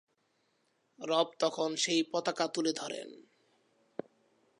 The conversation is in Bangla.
রব তখন সেই পতাকা তুলে ধরেন।